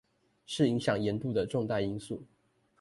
是影響鹽度的重大因素